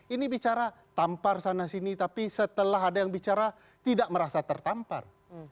ini bicara tampar sana sini tapi setelah ada yang bicara tidak merasa tertampar